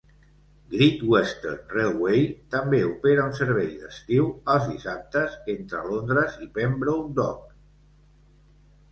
Great Western Railway també opera un servei d'estiu els dissabtes entre Londres i Pembroke Dock.